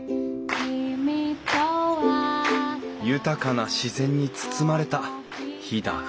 豊かな自然に包まれた飛騨古川。